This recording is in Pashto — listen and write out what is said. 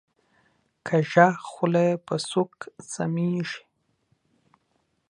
کږه خوله په سوک سمیږي